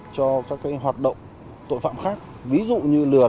cho các hoạt động tội phạm khác ví dụ như lừa đảo qua mạng